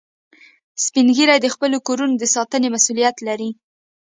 سپین ږیری د خپلو کورو د ساتنې مسؤولیت لري